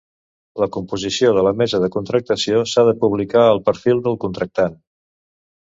La composició de la mesa de contractació s'ha de publicar al perfil del contractant.